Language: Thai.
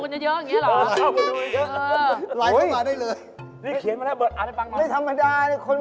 ขอซีเอฟฟันไหมถ้าไม่ใช้แล้ว